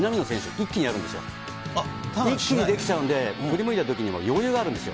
一気に一気にできちゃうんで、振り向いたときにも余裕があるんですよ。